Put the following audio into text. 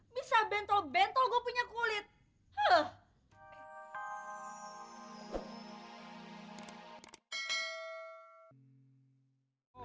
misah bentol bentol gue punya kulit